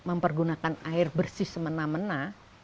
mempergunakan air bersih semena mena